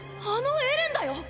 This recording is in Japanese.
あのエレンだよ